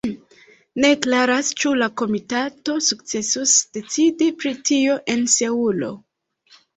Ne klaras, ĉu la komitato sukcesos decidi pri tio en Seulo.